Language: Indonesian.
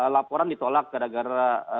laporan ditolak gara gara